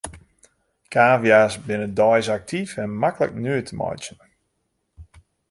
Kavia's binne deis aktyf en maklik nuet te meitsjen.